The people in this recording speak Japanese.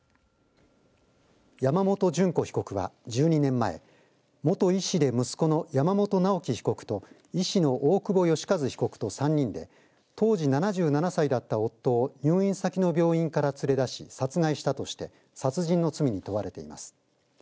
山本淳子被告は１２年前、元医師で息子の山本直樹被告と医師の大久保愉一被告と３人で当時７７歳だった夫を入院先の病院から連れ出し殺害したとして殺人の罪に問われています。